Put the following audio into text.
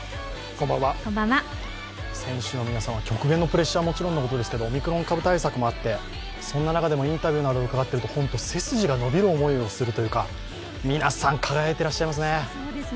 選手の皆さんは極限のプレッシャーはもちろんですけどオミクロン株対策もあって、そんな中でもインタビューなどを伺っていると、本当、背筋が伸びる思いするというか皆さん輝いてらっしゃいますね。